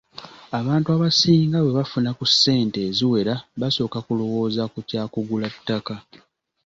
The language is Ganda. Abantu abasinga bwe bafuna ku ssente eziwera basooka kulowooza ku kya kugula ttaka.